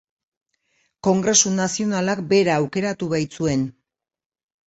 Kongresu Nazionalak bera aukeratu baitzuen.